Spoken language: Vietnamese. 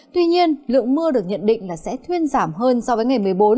tuy nhiên lượng mưa được nhận định là sẽ thuyên giảm hơn so với ngày một mươi bốn